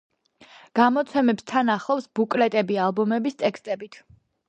გამოცემებს თან ახლავს ბუკლეტები ალბომების ტექსტებით.